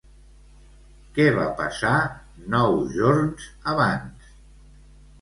Què va passar nou jorns abans?